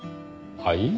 はい？